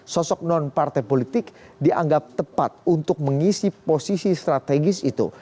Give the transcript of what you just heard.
sosok non partai politik dianggap tepat untuk mengisi posisi strategis itu